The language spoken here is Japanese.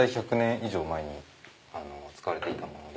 以上前に使われていたもので。